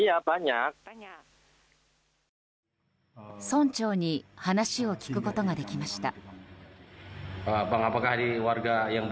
村長に話を聞くことができました。